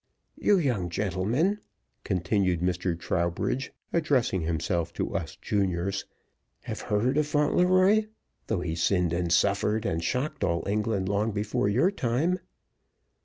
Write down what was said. You young gentlemen," continued Mr. Trowbridge, addressing himself to us juniors, "have heard of Fauntleroy, though he sinned and suffered, and shocked all England long before your time?"